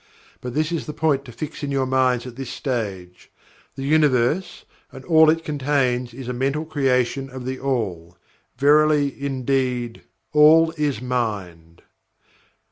But this is the point to fix in your minds at this stage: THE UNIVERSE, AND ALL IT CONTAINS, IS A MENTAL CREATION OF THE ALL. Verily indeed, ALL IS MIND!